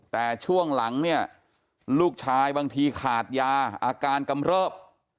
แต่ช่วงหลังเนี่ยลูกชายบางทีขาดยาอาการกำเริบ